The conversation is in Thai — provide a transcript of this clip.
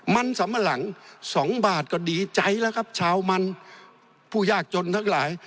มันสัมปะหลังสองบาทก็ดีใจแล้วครับชาวมันผู้ยากจนทั้งหลาย